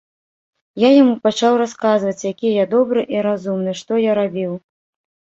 Я яму пачаў расказваць, які я добры і разумны, што я рабіў.